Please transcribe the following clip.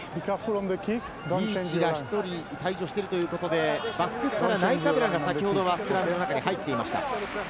リーチが１人退場しているということで、バックスからナイカブラが先ほど、スクラムの中に入っていました。